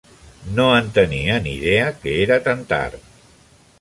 No en tenia ni idea que era tan tard.